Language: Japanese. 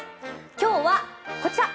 今日はこちら。